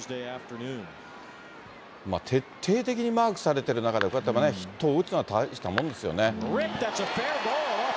徹底的にマークされてる中で、こうやってヒットを打つのは大したもんですよね。